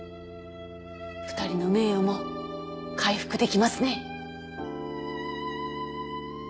２人の名誉も回復できますね。